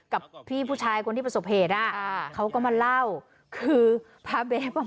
กับพี่ผู้ชายคนที่ประสบเหตุอ่ะอ่าเขาก็มาเล่าคือพระเบฟอ่ะ